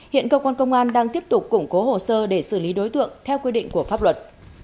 hiện cơ quan công an đang tiếp tục củng cố hồ sơ để xử lý đối tượng theo quy định của pháp luật